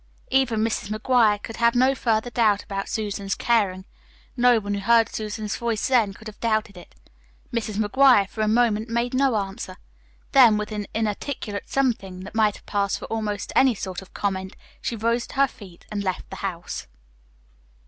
Even Mrs. McGuire could have had no further doubt about Susan's "caring." No one who heard Susan's voice then could have doubted it. Mrs. McGuire, for a moment, made no answer; then, with an inarticulate something that might have passed for almost any sort of comment, she rose to her feet and left the house.